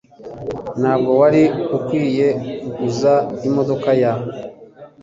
Ntabwo wari ukwiye kuguza imodoka ya